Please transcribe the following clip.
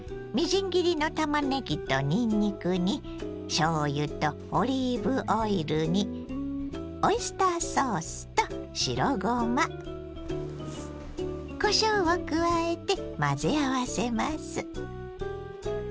みじん切りのたまねぎとにんにくにしょうゆとオリーブオイルにオイスターソースと白ごまこしょうを加えて混ぜ合わせます。